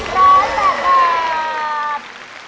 ๑๘๐บาท